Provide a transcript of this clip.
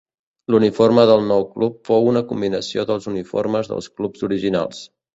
L'uniforme del nou club fou una combinació dels uniformes dels clubs originals.